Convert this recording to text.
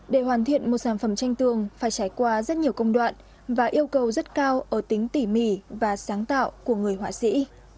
để hoàn thiện một sản phẩm tranh tường phải trải qua rất nhiều công đoạn và yêu cầu rất cao ở tính tỉ mỉ và sáng tạo của người họa sĩ